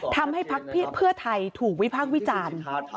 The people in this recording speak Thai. ทำให้ภาคเพื่อไทยถูกวิพากษ์วิจารณ์